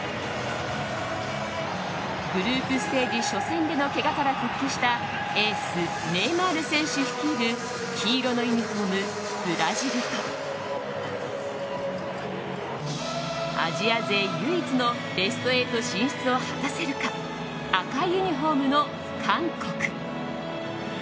グループステージ初戦でのけがから復帰したエース、ネイマール選手率いる黄色のユニホーム、ブラジルとアジア勢唯一のベスト８進出を果たせるか赤いユニホームの韓国。